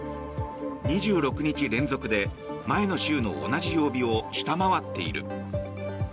２６日連続で前の週の同じ曜日を下回っている。